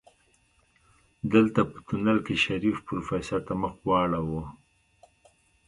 دلته په تونل کې شريف پروفيسر ته مخ واړوه.